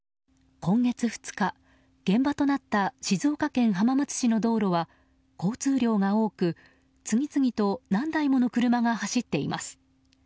今月２日、現場となった静岡県浜松市の道路は交通量が多く次々と何台もの車が走っています。